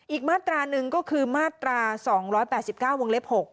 อีกมาตราหนึ่งก็คือมาตรา๒๘๙วงเล็บ๖